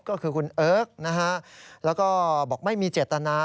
ก็คือคุณเอิร์กนะฮะแล้วก็บอกไม่มีเจตนา